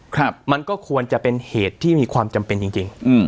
ครับมันก็ควรจะเป็นเหตุที่มีความจำเป็นจริงจริงอืม